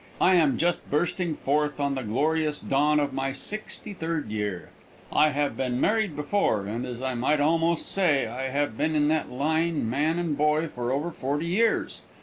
I am just bursting forth on the glorious dawn of my sixty third year. I have been married before, and as I might almost say, I have been in that line man and boy for over forty years.